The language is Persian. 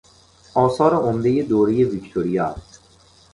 آثار عمدهی دورهی ویکتوریا